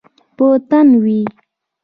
په تن وی